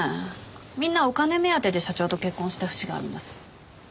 みんなお金目当てで社長と結婚した節があります。